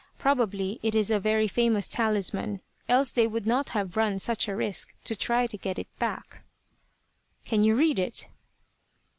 Probably it is a very famous talisman, else they would not have run such a risk to try to get it back." "Can you read it?"